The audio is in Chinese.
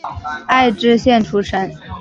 爱知县出身。